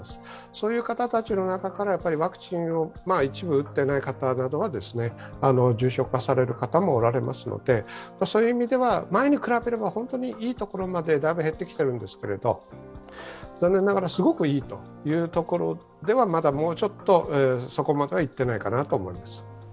そういう方たちの中からワクチンを一部打っていない方などは重症化される方もおられますので、そういう意味では、前に比べれば、だいぶ減ってきているんですけども、残念ながら、すごくいいというところ、そこまではいってないかなと思います。